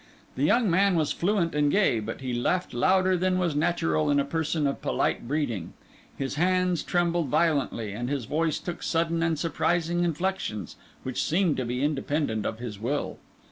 The young man was fluent and gay, but he laughed louder than was natural in a person of polite breeding; his hands trembled violently, and his voice took sudden and surprising inflections, which seemed to be independent of his will.